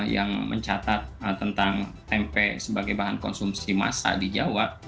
yang mencatat tentang tempe sebagai bahan konsumsi massa di jawa